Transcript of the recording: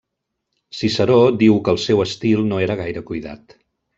Ciceró diu que el seu estil no era gaire cuidat.